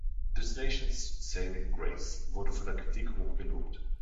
„This Nation's Saving Grace“ wurde von der Kritik hoch gelobt.